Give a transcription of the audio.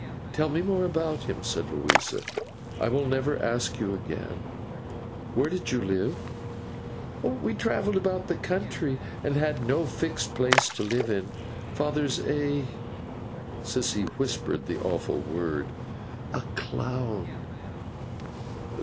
'Tell me more about him,' said Louisa, 'I will never ask you again. Where did you live?' 'We travelled about the country, and had no fixed place to live in. Father's a;' Sissy whispered the awful word, 'a clown.